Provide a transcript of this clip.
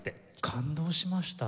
感動しました。